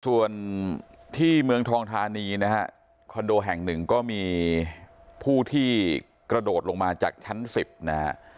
ส่วนที่เมืองทองธานีนะฮะคอนโดแห่งหนึ่งก็มีผู้ที่กระโดดลงมาจากชั้น๑๐นะฮะ